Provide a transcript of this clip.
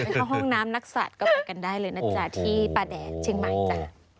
เข้าห้องน้ำนักสัตว์ก็ไปกันได้เลยนะจ๊ะที่ป่าแดดเชียงใหม่จ้ะ